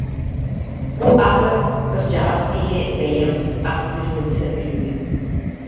«Бу аһы, кырдьаҕас киһи бэйэм астыырбын сөбүлүүбүн